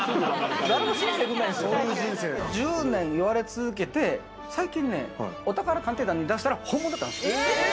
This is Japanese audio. １０年言われ続けて、最近お宝鑑定団に出したら本物だったんです。